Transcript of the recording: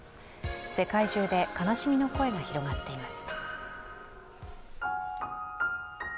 世界中で悲しみの声が広がっています。